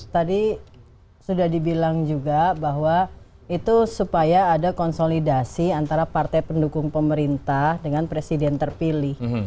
tadi sudah dibilang juga bahwa itu supaya ada konsolidasi antara partai pendukung pemerintah dengan presiden terpilih